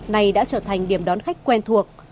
này đã trở thành điểm đón khách quen thuộc